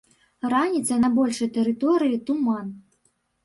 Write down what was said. Раніцай на большай тэрыторыі туман.